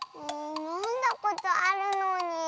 のんだことあるのに。